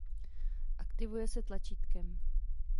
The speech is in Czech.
Aktivuje se tlačítkem.